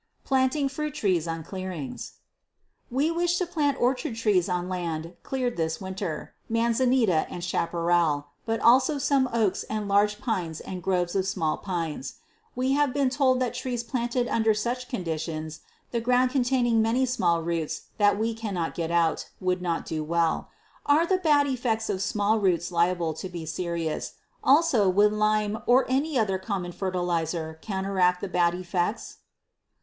Planting Fruit Trees on Clearings. We wish to plant orchard trees on land cleared this winter: manzanita and chaparral, but also some oaks and large pines and groves of small pines. We have been told that trees planted under such conditions, the ground containing the many small roots that we cannot get out, would not do well. Are the bad effects of the small roots liable to be serious; also, would lime or any other common fertilizer counteract the bad effects?